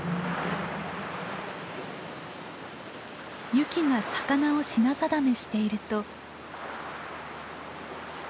ユキが魚を品定めしていると。